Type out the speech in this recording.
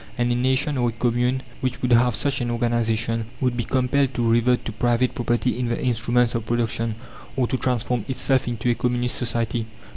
And a nation or a commune which would have such an organization would be compelled to revert to private property in the instruments of production, or to transform itself into a communist society.